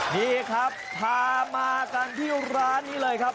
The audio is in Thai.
นี่ครับพามากันที่ร้านนี้เลยครับ